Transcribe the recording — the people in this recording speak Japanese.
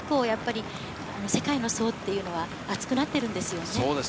世界の層というのは厚くなってるんですよね。